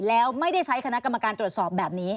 แล้วไม่ได้ใช้คณะกรรมการตรวจสอบแบบนี้